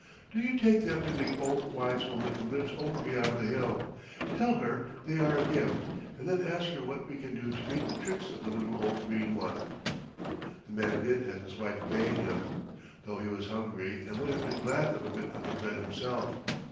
Do you take them to the old Wise Woman who lives over beyond the hill. Tell her they are a gift, and then ask her what we can do to meet the tricks of the little old Green One." The man did as his wife bade him, though he was hungry and would have been glad of a bit of the bread himself.